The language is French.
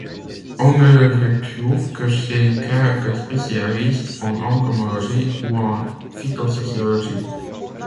On ne le retrouve que chez quelques spécialistes en entomologie ou en phytosociologie.